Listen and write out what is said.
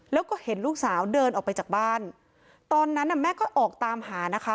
แล้วก็เห็นลูกสาวเดินออกไปจากบ้านตอนนั้นน่ะแม่ก็ออกตามหานะคะ